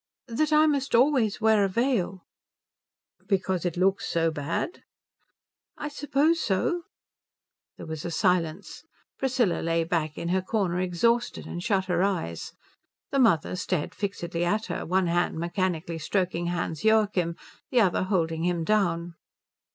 "That I must always wear a veil." "Because it looks so bad?" "I suppose so." There was a silence. Priscilla lay back in her corner exhausted, and shut her eyes. The mother stared fixedly at her, one hand mechanically stroking Hans Joachim, the other holding him down.